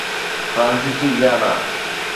فرانسيسي گيانا